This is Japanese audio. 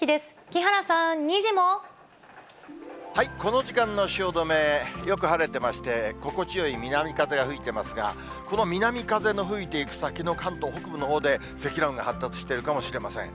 木原さん、この時間の汐留、よく晴れてまして、心地よい南風が吹いていますが、この南風の吹いていく先の関東北部のほうで、積乱雲が発達しているかもしれません。